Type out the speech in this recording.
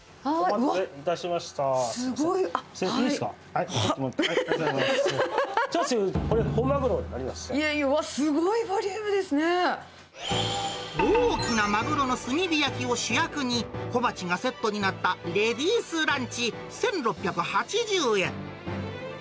うわっ、すごいボリュームで大きなマグロの炭火焼きを主役に、小鉢がセットになったレディースランチ１６８０円。